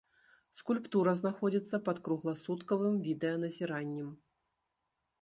Скульптура знаходзіцца пад кругласуткавым відэаназіраннем.